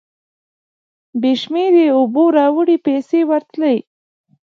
بې شمېرې اوبو راوړې پیسې ورتلې.